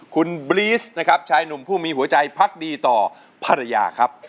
คุณบรีสนะครับชายหนุ่มผู้มีหัวใจพักดีต่อภรรยาครับ